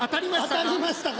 「当たりましたか？」